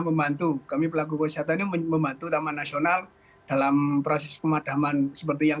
membantu kami pelaku wisatanya membantu taman nasional dalam proses pemadaman seperti yang